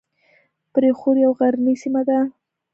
برښور یوه غرنۍ سیمه ده